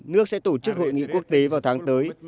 nước sẽ tổ chức hội nghị quốc tế vào tháng tới